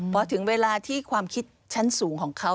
พอถึงเวลาที่ความคิดชั้นสูงของเขา